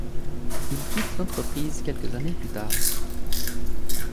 Il quitte l'entreprise quelques années plus tard.